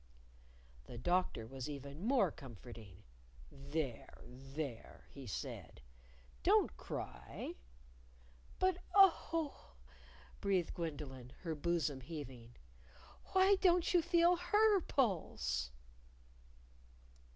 The Doctor was even more comforting. "There! There!" he said. "Don't cry." "But, oh," breathed Gwendolyn, her bosom heaving, "why don't you feel her pulse?"